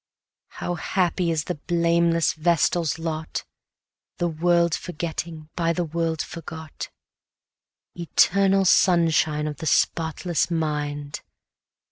How happy is the blameless Vestal's lot! The world forgetting, by the world forgot: Eternal sunshine of the spotless mind!